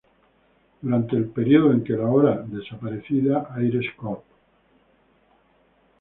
Durante el periodo en que la ahora desaparecida Ayres Corp.